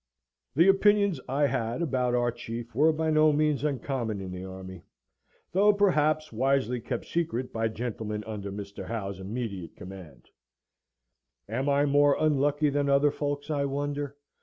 The opinions I had about our chief were by no means uncommon in the army; though, perhaps, wisely kept secret by gentlemen under Mr. Howe's immediate command. Am I more unlucky than other folks, I wonder?